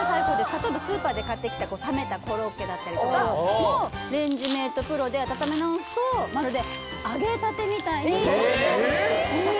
例えばスーパーで買ってきた冷めたコロッケだったりもレンジメートプロで温めなおすとまるで揚げたてみたいにサクッとできるんですよ